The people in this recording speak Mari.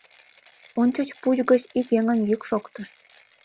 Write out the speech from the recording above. Ончыч пуч гыч ик еҥын йӱк шоктыш.